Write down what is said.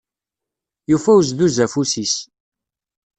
Yufa uzduz afus-is.